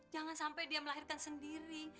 jangan sampai dia melahirkan sendiri